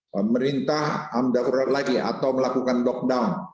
pemerintah amdaulat lagi atau melakukan lockdown